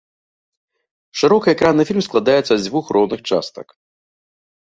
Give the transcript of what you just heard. Шырокаэкранны фільм складаецца з дзвюх роўных частак.